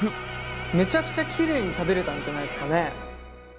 めちゃくちゃキレイに食べれたんじゃないですかね。